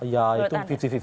ya itu lima puluh lima puluh